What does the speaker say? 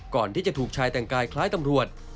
ก่อนที่จะถูกชายแต่งกายคล้ายตำรวจ